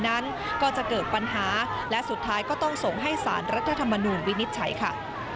นั้นก็จะเกิดปัญหาและสุดท้ายก็ต้องส่งให้สารรัฐธรรมนูญวินิจฉัยค่ะ